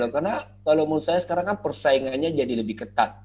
karena kalau menurut saya persaingannya jadi lebih ketat